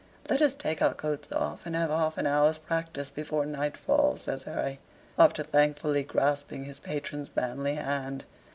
"Let us take our coats off and have half an hour's practice before nightfall," says Harry, after thankfully grasping his patron's manly hand.